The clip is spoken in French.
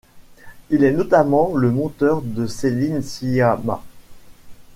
Il est notamment le monteur de Céline Sciamma.